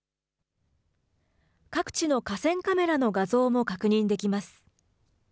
各地の河川カメラの画像も確認できます。